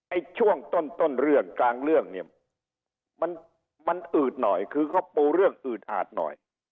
ช่วงต้นเรื่องกลางเรื่องเนี่ยมันอืดหน่อยคือเขาปูเรื่องอืดอาดหน่อย